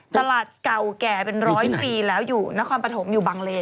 ตลาดเก่าแก่เป็นร้อยปีแล้วอยู่นครปฐมอยู่บังเลน